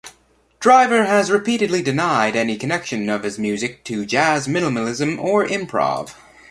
Driver has repeatedly denied any connection of his music to jazz, minimalism or improv.